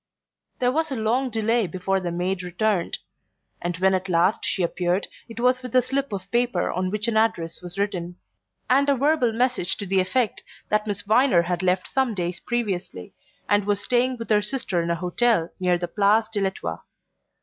There was a long delay before the maid returned, and when at last she appeared it was with a slip of paper on which an address was written, and a verbal message to the effect that Miss Viner had left some days previously, and was staying with her sister in a hotel near the Place de l'Etoile.